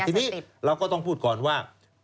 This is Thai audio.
ทีนี้เราก็ต้องพูดก่อนว่า